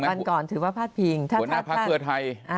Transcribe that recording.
หัวหน้าพักเพื่อไทย